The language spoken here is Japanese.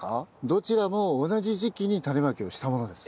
どちらも同じ時期にタネまきをしたものです。